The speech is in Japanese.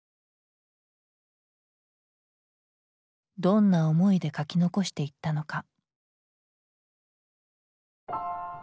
どんな思いで書き残していったのか。